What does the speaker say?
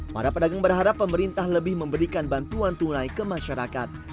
para pedagang berharap pemerintah lebih memberikan bantuan tunai ke masyarakat